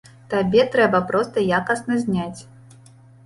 Табе трэба проста якасна зняць.